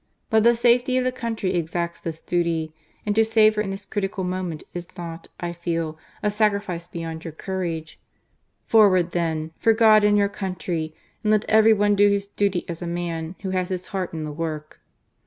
But the safety of the country exacts this duty, and to save her in this critical moment is not, I feel, a sacrifice beyond your courage. Forward, then ! for God and your country! and let every one do his duty as a man who has his heart in the work."